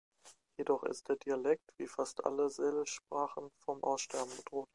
Jedoch ist der Dialekt, wie fast alle Salish-Sprachen, vom Aussterben bedroht.